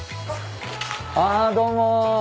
あどうも。